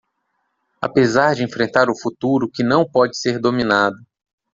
Apesar de enfrentar o futuro que não pode ser dominado